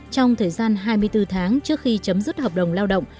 trong thời gian hai mươi bốn tháng trước khi chấm dứt hợp đồng lao động